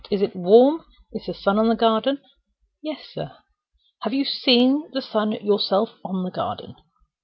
Is it warm? Is the sun on the garden?" "Yes, sir." "Have you seen the sun yourself on the garden?"